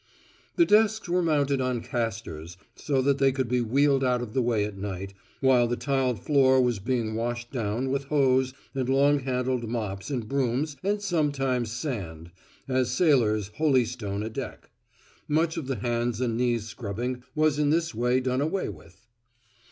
The desks were mounted on castors so that they could be wheeled out of the way at night while the tiled floor was being washed down with hose and long handled mops and brooms and sometimes sand, as sailors holystone a deck. Much of the hands and knees scrubbing was in this way done away with.